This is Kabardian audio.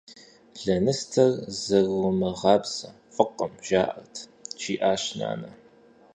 - Лэныстэр зэрыумыгъабзэ — фӏыкъым жаӏэр, - жиӏащ нанэ.